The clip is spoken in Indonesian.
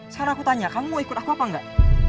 sekarang aku tanya kamu mau ikut aku apa enggak